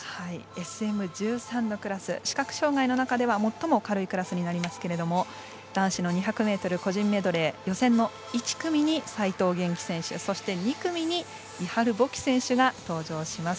ＳＭ１３のクラス視覚障がいの中では最も軽いクラスになりますけれども男子の２００ｍ個人メドレー予選の１組に齋藤元希選手そして２組にイハル・ボキ選手が登場します。